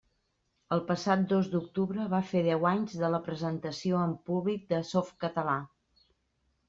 El passat dos d'octubre va fer deu anys de la presentació en públic de Softcatalà.